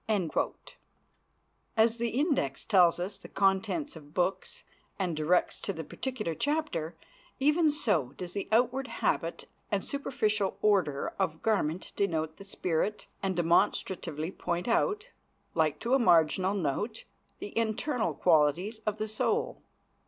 As the index tells us the contents of books, and directs to the particular chapter, even so does the outward habit and superficial order of garment denote the spirit and demonstratively point out, like to a marginal note, the internal qualities of the soul.